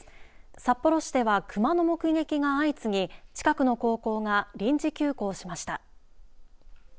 札幌市では熊の目撃が相次ぎ近くの高校が臨時休校しました。